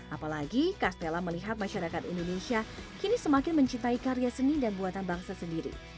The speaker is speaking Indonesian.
apalagi castella melihat masyarakat indonesia kini semakin mencintai karya seni dan buatan bangsa sendiri